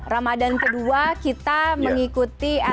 ramadan kedua kita mengikuti